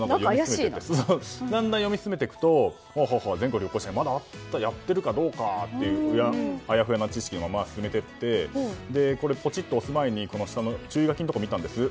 だんだん、読み進めていくと全国旅行支援がまだやっているかどうかというあやふやな意識のまま進めていってポチッと押す前に下の注意書きを見たんです。